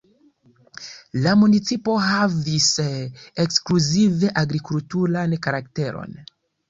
La municipo havis ekskluzive agrikulturan karakteron.